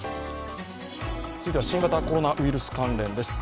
続いては新型コロナウイルス関連です。